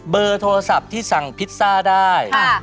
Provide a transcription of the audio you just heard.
เบอร์โทรศัพท์ที่สั่งพิซซ่าได้